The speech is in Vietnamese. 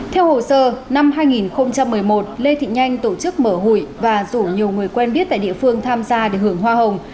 theo hồ sơ năm hai nghìn một mươi một lê thị nhanh tổ chức mở hụi và rủ nhiều người quen biết tại địa phương tham gia để hưởng hoa hồng